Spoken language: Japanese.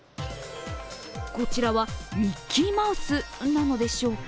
こちらはミッキーマウスなのでしょうか？